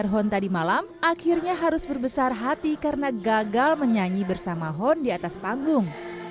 hal ini bisa dikatakan sebagai suatu kejadian yang sangat menarik